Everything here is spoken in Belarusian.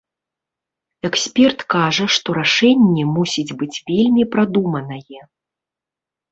Эксперт кажа, што рашэнне мусіць быць вельмі прадуманае.